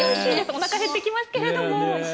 おなか減ってきますけれども。